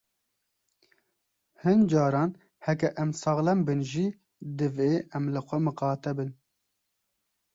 Hin caran heke em saxlem bin jî divê em li xwe miqate bin.